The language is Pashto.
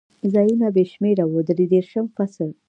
ځایونه بې شمېره و، درې دېرشم فصل.